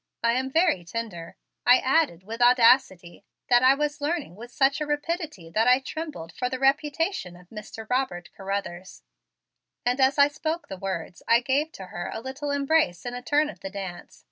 "I am very tender," I added with audacity that I was learning with such a rapidity that I trembled for the reputation of Mr. Robert Carruthers, and as I spoke the words I gave to her a little embrace in a turn of the dance.